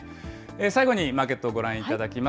最後にマーケットをご覧いただきます。